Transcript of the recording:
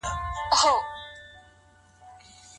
مستوونکې سندري او موسيقي د انسان عقل څنګه تخريبوي؟